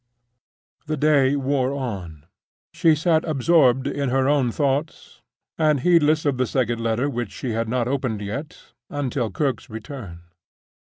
The day wore on. She sat absorbed in her own thoughts, and heedless of the second letter which she had not opened yet, until Kirke's return.